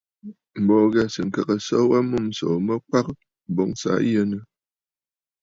M̀bə ò ghɛ̂sə̀ ŋkəgə aso wa mûm ǹsòò mə kwaʼa boŋ sɨ̀ aa yənə!